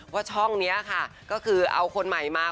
ช่องนี้ค่ะก็คือเอาคนใหม่มา